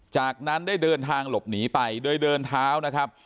จากนั้นได้เดินทางหลบหนีไปโดยเดินเท้านะครับ